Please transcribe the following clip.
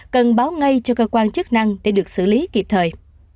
cần báo ngay cho cơ quan chức năng để được xử lý kịp thời